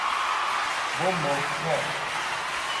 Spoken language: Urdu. وہ مونک ہے